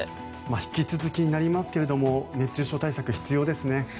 引き続きになりますが熱中症対策が必要ですね。